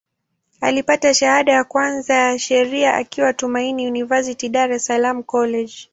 Alipata shahada ya kwanza ya Sheria akiwa Tumaini University, Dar es Salaam College.